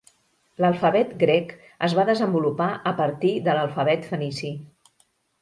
L'alfabet grec es va desenvolupar a partir de l'alfabet fenici.